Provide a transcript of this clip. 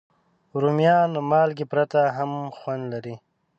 رومیان له مالګې پرته هم خوند لري